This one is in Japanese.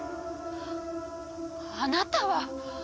あなたは。